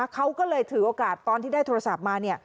เขาก็เลยถือโอกาสตอนที่ได้โทรศัพท์มา